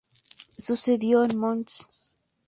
Sucedió a Mons.